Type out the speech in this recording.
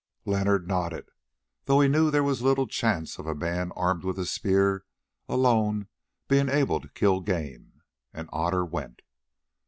Leonard nodded, though he knew that there was little chance of a man armed with a spear alone being able to kill game, and Otter went.